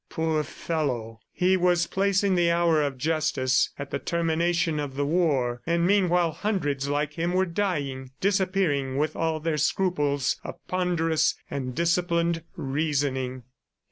Poor fellow! He was placing the hour of justice at the termination of the war, and meanwhile hundreds like him were dying, disappearing with all their scruples of ponderous and disciplined reasoning.